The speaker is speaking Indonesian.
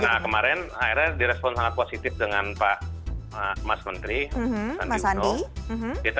nah kemarin akhirnya direspon sangat positif dengan pak mas menteri sandi uno